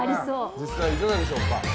実際にいかがでしょう？